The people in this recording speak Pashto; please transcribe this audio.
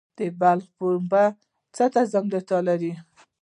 د بلخ پنبه څه ځانګړتیا لري؟